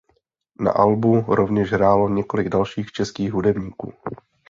Na albu rovněž hrálo několik dalších českých hudebníků.